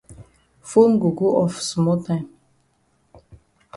Fone go go off small time.